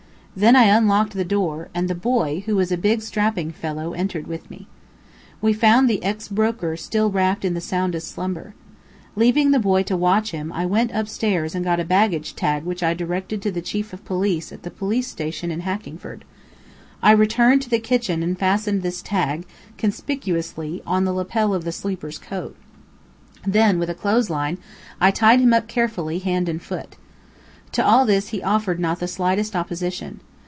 Then I unlocked the door, and the boy who was a big, strapping fellow entered with me. We found the ex broker still wrapped in the soundest slumber. Leaving the boy to watch him, I went upstairs and got a baggage tag which I directed to the chief of police at the police station in Hackingford. I returned to the kitchen and fastened this tag, conspicuously, on the lapel of the sleeper's coat. Then, with a clothes line, I tied him up carefully, hand and foot. To all this he offered not the slightest opposition.